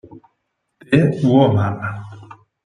The Woman